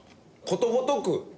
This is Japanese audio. ことごとく。